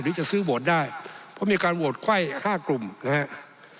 จะซื้อโหวตได้เพราะมีการโหวตไขว้๕กลุ่มนะครับ